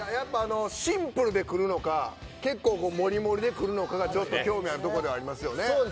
シンプルでくるのか結構、もりもりでくるのかが興味あるところではありますよね。